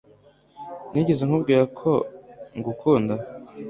Nigeze nkubwira ko ngukunda